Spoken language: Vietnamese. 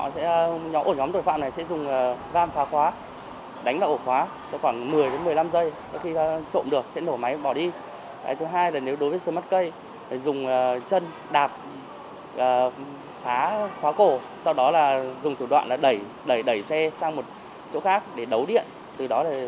sau đó là dùng thủ đoạn đẩy xe sang một chỗ khác để đấu điện từ đó là tẩu thoát